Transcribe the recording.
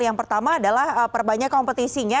yang pertama adalah perbanyak kompetisinya